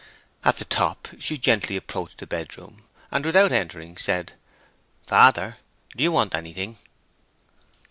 At the top she gently approached a bedroom, and without entering, said, "Father, do you want anything?"